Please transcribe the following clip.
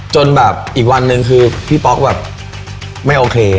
จนแบบอีกวันหนึ่งคือพี่ป๊อกแบบไม่โอเค